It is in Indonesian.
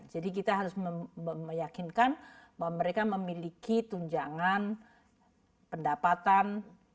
jadi kita harus meyakinkan bahwa mereka memiliki tunjangan pendapatan